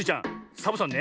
サボさんね